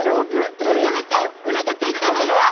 玉川さんオラが描いたのよ。